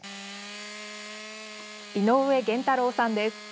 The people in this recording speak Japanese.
井上源太郎さんです。